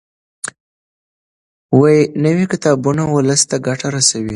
نوي کتابونه ولس ته ګټه رسوي.